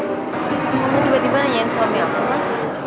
kamu tiba tiba nanyain suami aku mas